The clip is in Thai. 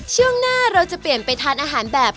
ช่วงหน้าเราจะเปลี่ยนไปทานอาหารแบบ